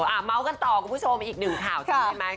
อ่าเม้ากันต่อคุณผู้ชมอีกหนึ่งข่าวใช่ไหม